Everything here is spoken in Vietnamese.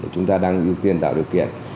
chúng ta đang ưu tiên tạo điều kiện